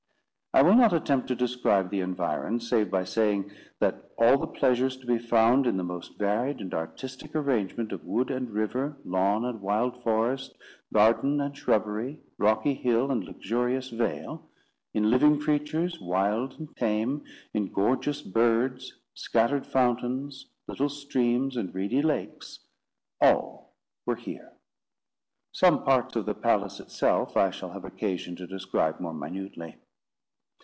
I will not attempt to describe the environs, save by saying, that all the pleasures to be found in the most varied and artistic arrangement of wood and river, lawn and wild forest, garden and shrubbery, rocky hill and luxurious vale; in living creatures wild and tame, in gorgeous birds, scattered fountains, little streams, and reedy lakes—all were here. Some parts of the palace itself I shall have occasion to describe more minutely.